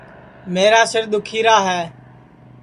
میرا سِر دُؔکھیرا ہے